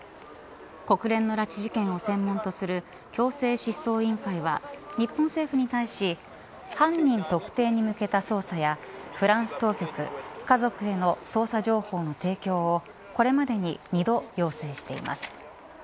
国連の拉致事件を専門とする強制失踪委員会は日本政府に対し犯人特定に向けた捜査やフランス当局、家族への捜査情報の提供をこれまでに２度要請しています。